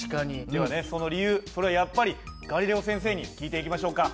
ではねその理由それはやっぱりガリレオ先生に聞いていきましょうか。